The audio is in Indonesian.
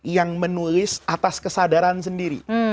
yang menulis atas kesadaran sendiri